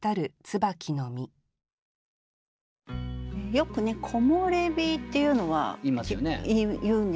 よく「木漏れ日」っていうのはいうんですよね。